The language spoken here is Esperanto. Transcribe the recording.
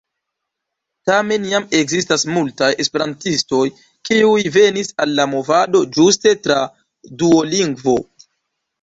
Tamen jam ekzistas multaj esperantistoj, kiuj venis al la movado ĝuste tra Duolingo.